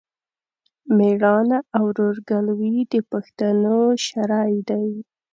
مېړانه او ورورګلوي د پښتنو شری دی.